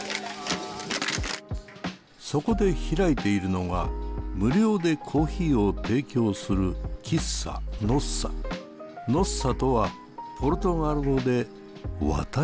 そこで開いているのが無料でコーヒーを提供する「Ｎｏｓｓａ」とはポルトガル語で「わたしたちの」。